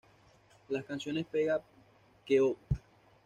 Las canciones "Pega que oh!